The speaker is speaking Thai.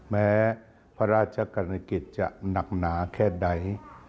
แม้พระราชกรณกิจจะหนักหนาแค่ใด